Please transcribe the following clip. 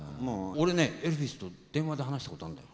俺ねエルビスと電話で話したことがあんだよ。